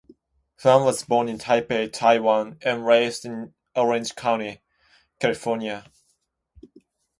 Huang was born in Taipei, Taiwan, and raised in Orange County, California.